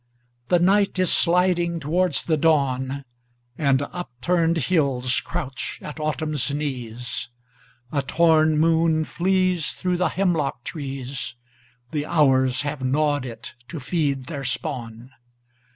The night is sliding towards the dawn, And upturned hills crouch at autumnâs knees.A torn moon fleesThrough the hemlock trees, The hours have gnawed it to feed their spawn.